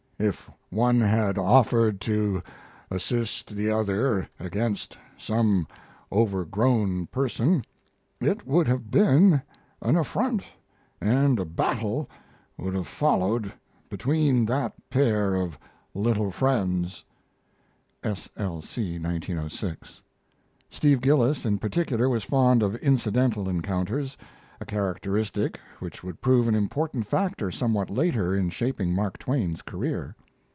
If one had offered to assist the other against some overgrown person, it would have been an affront, and a battle would have followed between that pair of little friends." [S. L. C., 1906.] Steve Gillis in particular, was fond of incidental encounters, a characteristic which would prove an important factor somewhat later in shaping Mark Twain's career.